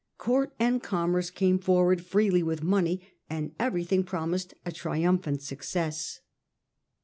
Court and commerce came forward freely with money, and everything promised a triumph ant success.